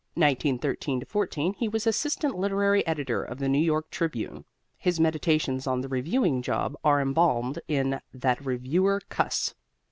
1913 14 he was assistant literary editor of the New York Tribune. His meditations on the reviewing job are embalmed in "That Reviewer Cuss."